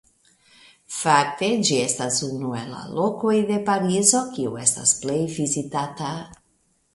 Fakte ĝi estas unu de la lokoj de Parizo kiu estas plej vizitata.